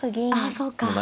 あそうか。